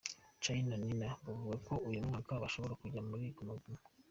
Charly na Nina bavuga ko uyu mwaka bashobora kujya muri Guma Guma.